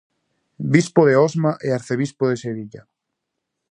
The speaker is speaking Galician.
Bispo de Osma e arcebispo de Sevilla.